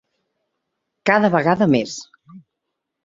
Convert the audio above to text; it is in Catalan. Cada vegada més.